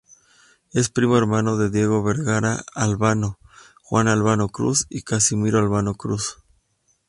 Es primo hermano de Diego Vergara Albano, Juan Albano Cruz y Casimiro Albano Cruz.